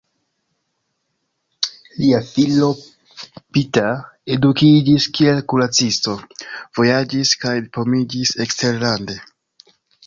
Lia filo Peter edukiĝis kiel kuracisto, vojaĝis kaj diplomiĝis eksterlande.